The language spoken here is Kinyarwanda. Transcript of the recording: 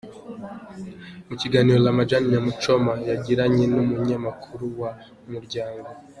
Mu kiganiro Ramajaane Muchoma yagiranye n’umunyamakuru wa Umuryango.